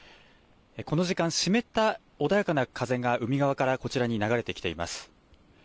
この時間、湿った穏やかな風が海側からこちらに流れてきています。